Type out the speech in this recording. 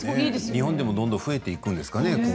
日本でもどんどん増えていくんですかね。